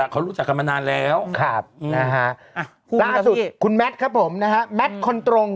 กับมานานแล้วครับนะฮะคุณแมทครับผมนะฮะแมทคนตรง